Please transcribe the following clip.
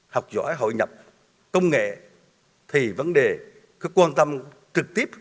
học giỏi hội nhập công nghệ thì vấn đề cứ quan tâm trực tiếp